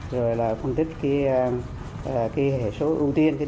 rồi là phân tích hệ số ưu tiên